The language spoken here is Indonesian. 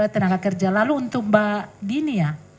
tenaga kerja lalu untuk mbak dina